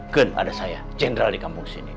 ken ada saya general di kampung sini